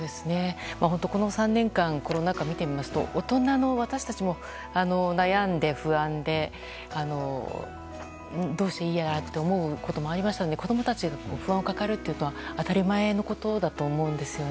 この３年間コロナ禍見てみますと大人の私たちも悩んで不安でどうしていいやらと思うこともありましたので子供たちが不安を抱えるのは当たり前だと思うんです。